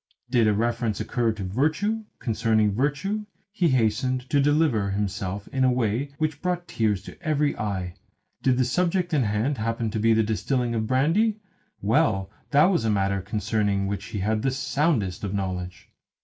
Did a reference occur to virtue, concerning virtue he hastened to deliver himself in a way which brought tears to every eye. Did the subject in hand happen to be the distilling of brandy well, that was a matter concerning which he had the soundest of knowledge.